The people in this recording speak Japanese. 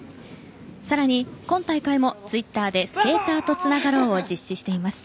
さらに今大会もＴｗｉｔｔｅｒで「＃スケーターとつながろう」を実施しています。